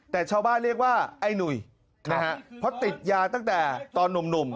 แต่ชาวบ้านเรียกว่าไอ้หนุ่ยนะฮะเพราะติดยาตั้งแต่ตอนหนุ่ม